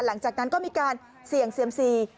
หลังจากนั้นก็มีการเสี่ยงเซียมซี